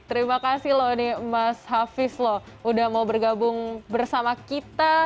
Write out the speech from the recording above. terima kasih loh ini mas hafiz loh udah mau bergabung bersama kita